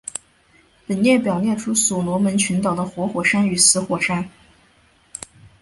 本列表列出所罗门群岛的活火山与死火山。